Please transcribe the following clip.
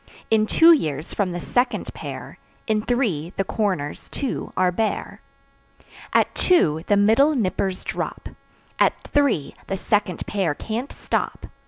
In two years, from the second pair; In three, the corners, too, are bare. At two the middle "nippers" drop; At three, the second pair can't stop.